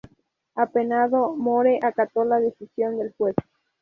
Apenado, Moore acató la decisión del juez.